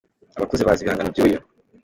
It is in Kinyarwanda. Abakuze bazi ibihangano byuyu